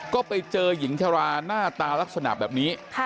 ก็ไปเจอหญิงชราหน้าตาลักษณะแบบนี้